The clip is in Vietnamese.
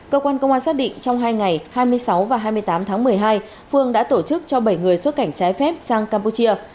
cơ quan công an xác định trong hai ngày hai mươi sáu và hai mươi tám tháng một mươi hai phương đã tổ chức cho bảy người xuất cảnh trái phép sang campuchia